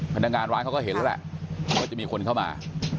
พนักงานร้านเขาก็เห็นแล้วแหละว่าจะมีคนเข้ามา